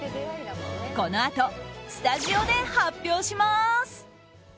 このあとスタジオで発表します。